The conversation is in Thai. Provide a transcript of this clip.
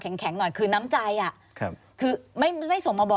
ควิทยาลัยเชียร์สวัสดีครับ